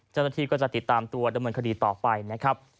เจ้าหน้าที่ก็จะติดตามตัวดำเนินคดีต่อไปนะครับ